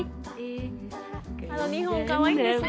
あの２本かわいいんですよね。